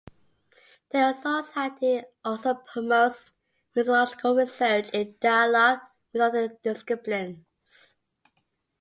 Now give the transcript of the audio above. The society also promotes musicological research in dialogue with other disciplines.